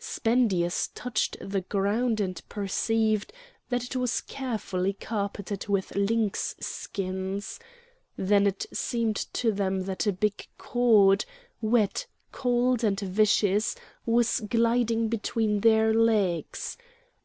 Spendius touched the ground and perceived that it was carefully carpeted with lynx skins; then it seemed to them that a big cord, wet, cold, and viscous, was gliding between their legs.